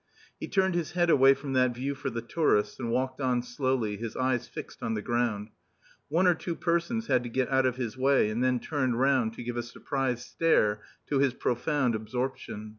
He turned his head away from that view for the tourists, and walked on slowly, his eyes fixed on the ground. One or two persons had to get out of his way, and then turned round to give a surprised stare to his profound absorption.